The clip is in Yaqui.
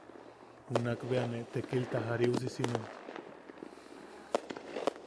Junak bea ne tekilta jariusisimen.